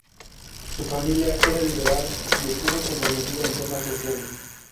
Su familia era liberal y estuvo comprometida en temas sociales.